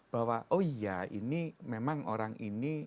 bahwa oh iya ini memang orang ini